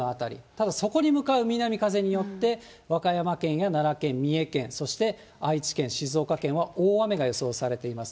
ただそこに向かう南風によって、和歌山県や奈良県、三重県、そして愛知県、静岡県は大雨が予想されています。